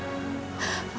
aku sudah lalai menjaga wulan